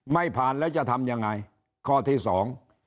ไม่ผ่านแล้วจะทำยังไงข้อที่สอง